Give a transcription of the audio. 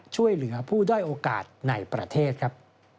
ช่วยเหลือผู้ด้อยโอกาสในประเทศครับ